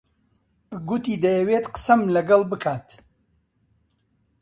گوتی دەیەوێت قسەم لەگەڵ بکات .